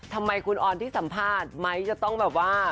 ทำไมคุณออนที่สัมภาษณ์ไมค์จะต้องแบบว่า